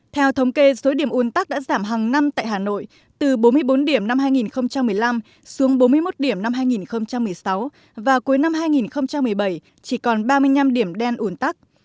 theo thống kê số điểm un tắc đã giảm hàng năm tại hà nội từ bốn mươi bốn điểm năm hai nghìn một mươi năm xuống bốn mươi một điểm năm hai nghìn một mươi sáu và cuối năm hai nghìn một mươi bảy chỉ còn ba mươi năm điểm đen ủn tắc